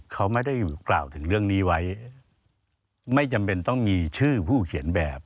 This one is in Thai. เขาไม่ได้กล่าวถึงเรื่องนี้ไว้ไม่จำเป็นต้องมีชื่อผู้เขียนแบบ